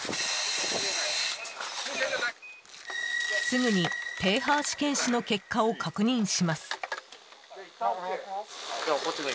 すぐにｐＨ試験紙の結果を確認します。